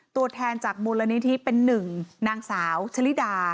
ตัวแทนจากมูลนิธิเป็นหนึ่งนางสาวชะลิดา